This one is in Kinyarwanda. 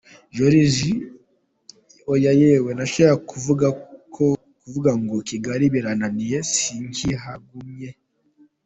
Joriji: Oya yewe, nashakaga kuvuga ngo Kigali Birarangiye Sinkihagumye!.